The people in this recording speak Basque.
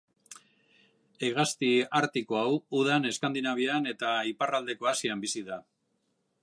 Hegazti artiko hau udan Eskandinavian eta iparraldeko Asian bizi da.